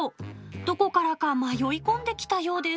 どこからか迷い込んできたようです。